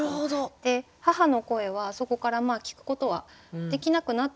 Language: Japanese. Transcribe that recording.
で母の声はそこから聞くことはできなくなったんですけど